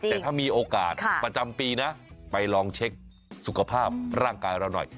แต่ถ้ามีโอกาสประจำปีนะไปลองเช็คสุขภาพร่างกายเราหน่อย